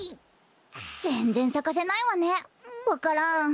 ぜんぜんさかせないわねわか蘭。